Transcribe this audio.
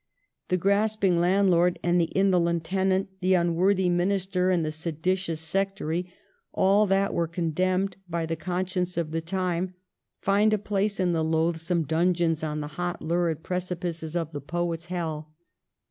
The grasping landlord and the indolent tenant, the unworthy minister and the sedi tious sectary — all that were condemned by the con science of the time find a place in the loathsome dungeons on the hot lurid precipices of the poet's hell